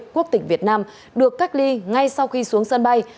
quốc tịch việt nam được cách ly ngay sau khi xuống sân bay